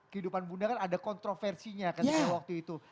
kehidupan bunda kan ada kontroversinya ketika waktu itu